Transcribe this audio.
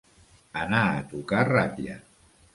Anar a tocar ratlla.